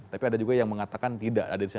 tapi ada juga yang mengatakan tidak ada